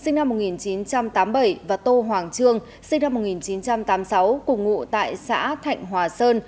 sinh năm một nghìn chín trăm tám mươi bảy và tô hoàng trương sinh năm một nghìn chín trăm tám mươi sáu cùng ngụ tại xã thạnh hòa sơn